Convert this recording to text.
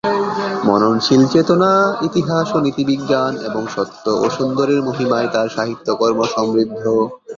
মননশীল চেতনা, ইতিহাস ও নীতিজ্ঞান এবং সত্য ও সুন্দরের মহিমায় তাঁর সাহিত্যকর্ম সমৃদ্ধ।